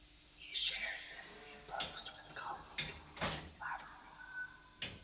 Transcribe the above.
He shares this new post with colleague Ian Lavery.